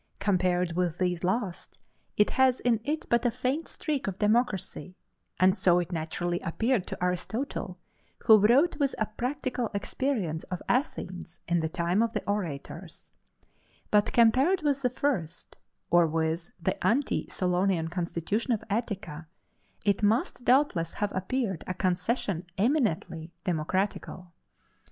Compared with these last, it has in it but a faint streak of democracy and so it naturally appeared to Aristotle, who wrote with a practical experience of Athens in the time of the orators; but compared with the first, or with the ante Solonian constitution of Attica, it must doubtless have appeared a concession eminently democratical.